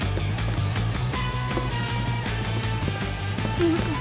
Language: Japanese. すいません